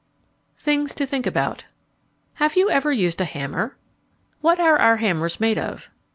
THINGS TO THINK ABOUT Have you ever used a hammer? What are our hammers made of?